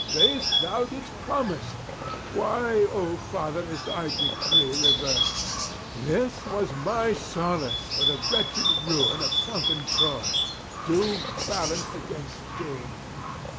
This thou didst promise: why, O father, is thy decree reversed? This was my solace for the wretched ruin of sunken Troy, doom balanced against doom.